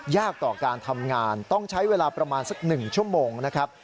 ต่อการทำงานต้องใช้เวลาประมาณสัก๑ชั่วโมงนะครับ